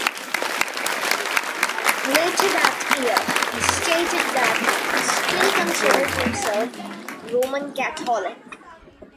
Later that year, he stated that he still considered himself a Roman Catholic.